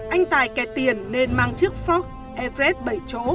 anh tài kẹt tiền nên mang chiếc ford everest bảy chỗ